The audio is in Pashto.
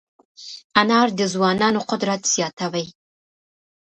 انار د ځوانانو قوت زیاتوي.